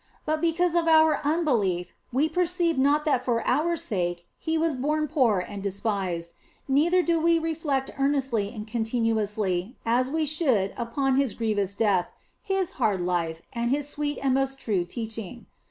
But because of our unbelief we perceive not that for our sake He was born poor and despised, neither do we re flect earnestly and continuously as we should upon His grievous death, His hard life, and His sweet and most true teaching.